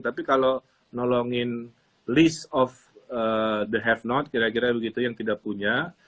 tapi kalau nolongin list of the have not kira kira begitu yang tidak punya